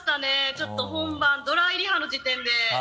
ちょっと本番ドライリハの時点で。